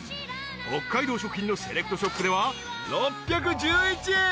［北海道食品のセレクトショップでは６１１円］